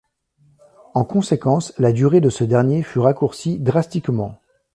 En conséquence la durée de ce dernier fut raccourcie drastiquement.